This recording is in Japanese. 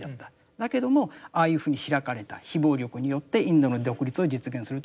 だけどもああいうふうに開かれた非暴力によってインドの独立を実現するということがあった。